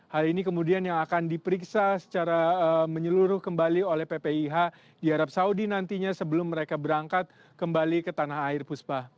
hal ini kemudian yang akan diperiksa secara menyeluruh kembali oleh ppih di arab saudi nantinya sebelum mereka berangkat kembali ke tanah air puspa